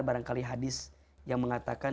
barangkali hadis yang mengatakan